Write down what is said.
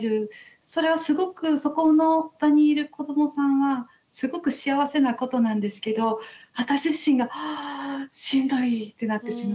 それはすごくそこの場にいる子どもさんはすごく幸せなことなんですけど私自身が「はぁしんどい」ってなってしまって。